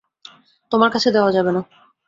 তোমার কাছে দেয়া যাবে না।